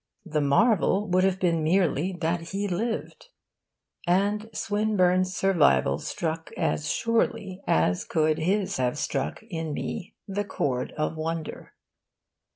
The marvel would have been merely that he lived. And Swinburne's survival struck as surely as could his have struck in me the chord of wonder.